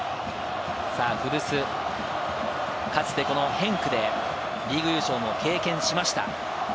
古巣、かつてこのヘンクでリーグ優勝も経験しました。